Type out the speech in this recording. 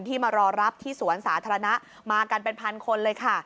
ที่มารอรับที่สวนสาธารณะมากัน๑๐๐๐คนเลยค่ะ